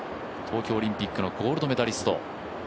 東京オリンピックのゴールドメダリスト。